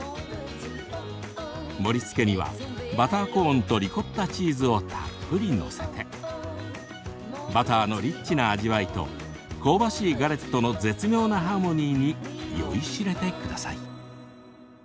盛りつけには、バターコーンとリコッタチーズをたっぷり載せてバターのリッチな味わいと香ばしいガレットの絶妙なハーモニーに酔いしれてください。